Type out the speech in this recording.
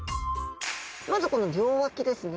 まずこの両脇ですね。